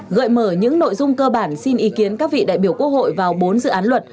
gợi mở những nội dung cơ bản xin ý kiến các vị đại biểu quốc hội vào bốn dự án luật